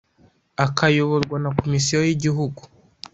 akayoborwa na komisiyo y igihugu